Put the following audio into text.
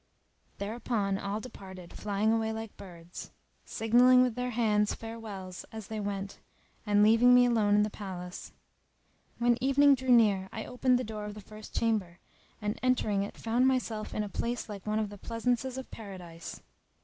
Thereupon all departed flying away like birds; signalling with their hands farewells as they went and leaving me alone in the palace. When evening drew near I opened the door of the first chamber and entering it found myself in a place like one of the pleasaunces of Paradise.